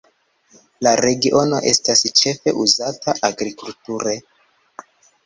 La regiono estas ĉefe uzata agrikulture.